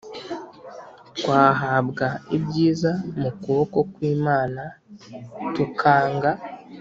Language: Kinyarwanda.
twahabwa ibyiza mu kuboko kw’Imana tukanga